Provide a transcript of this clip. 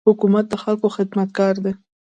حکومت د خلکو خدمتګار دی.